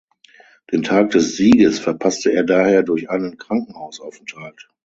Den Tag des Sieges verpasste er daher durch einen Krankenhausaufenthalt.